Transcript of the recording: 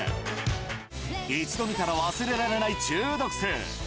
一度見たら忘れられない中毒性。